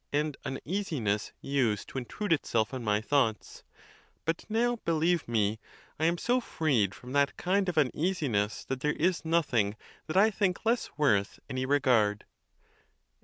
and uneasiness used to intrude itself on my thoughts; but now, believe me, I am so freed from that kind of un easiness that there is nothing that I think less worth any regard.